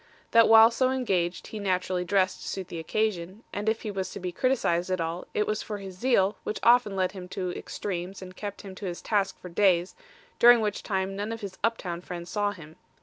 That while so engaged he naturally dressed to suit the occasion, and if he was to be criticised at all, it was for his zeal which often led him to extremes and kept him to his task for days, during which time none of his up town friends saw him.